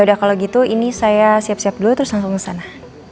udah kalau gitu ini saya siap siap dulu terus langsung ke sana